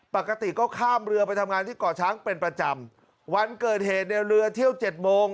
ปกติก็ข้ามเรือไปทำงานที่เกาะช้างเป็นประจำวันเกิดเหตุเนี่ยเรือเที่ยวเจ็ดโมง